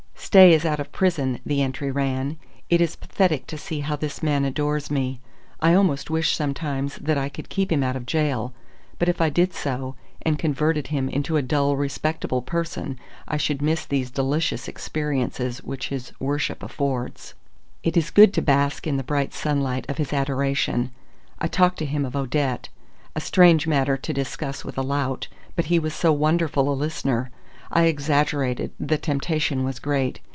"Stay is out of prison," the entry ran. "It is pathetic to see how this man adores me. I almost wish sometimes that I could keep him out of gaol; but if I did so, and converted him into a dull, respectable person, I should miss these delicious experiences which his worship affords. It is good to bask in the bright sunlight of his adoration! I talked to him of Odette. A strange matter to discuss with a lout, but he was so wonderful a listener! I exaggerated, the temptation was great.